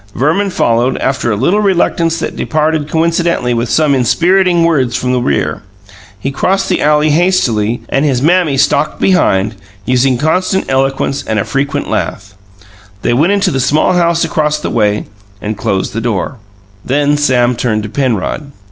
Verman followed, after a little reluctance that departed coincidentally with some inspiriting words from the rear. He crossed the alley hastily, and his Mammy stalked behind, using constant eloquence and a frequent lath. They went into the small house across the way and closed the door. Then Sam turned to Penrod.